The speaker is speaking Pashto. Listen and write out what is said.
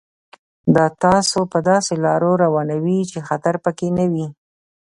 دا تاسو په داسې لار روانوي چې خطر پکې نه وي.